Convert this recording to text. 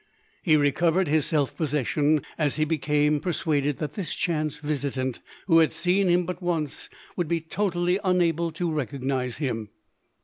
He recovered his self possession as he became per suaded that this chance visitant, who had seen him but once, would be totally unable to recog nize him.